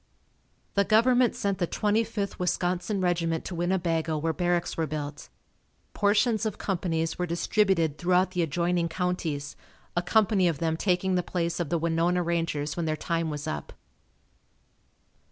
The Government sent the Twenty fifth Wisconsin regiment to Winnebago where barracks were built. Portions of companies were distributed throughout the adjoining counties, a company of them taking the place of the Winona Rangers when their time was up.